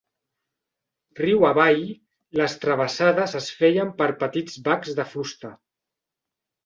Riu avall, les travessades es feien per petits bacs de fusta.